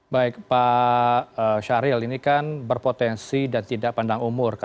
baik pak syahril ini kan berpotensi dan tidak pandang umur